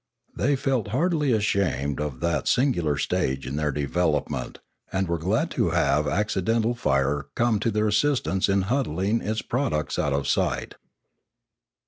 They felt heartily ashamed of that singular stage in their development, and were glad to have accidental fire come to their assistance in huddling its products out of sight.